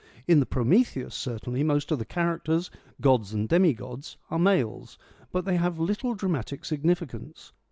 In the Prometheus, certainly, most of the characters — gods and demi gods — are males, but they have little dramatic significance.